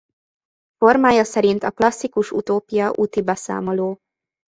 Formája szerint a klasszikus utópia úti beszámoló.